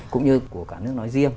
cũng như của cả nước nói riêng